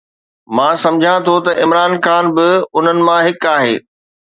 مان سمجهان ٿو ته عمران خان به انهن مان هڪ آهي.